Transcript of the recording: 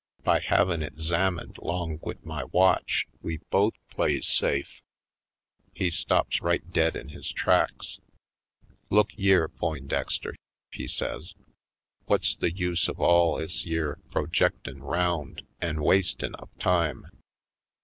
By havin' it 'zamined 'long wid my watch, we both plays safe." He stops right dead in his tracks. "Look yere, Poindexter," he says, "whut's the use of all 'is yere projectin' round an' wastin' of time?